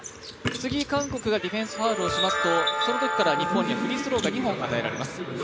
次、韓国がディフェンスファウルをしますとそのときから、日本にフリースローが２本与えられます。